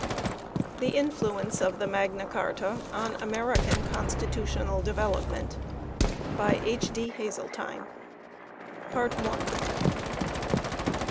THE INFLUENCE OF MAGNA CARTA ON AMERICAN CONSTITUTIONAL DEVELOPMENT. BY H. D. HAZELTINE, M.A., Lnr.